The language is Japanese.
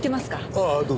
ああどうぞ。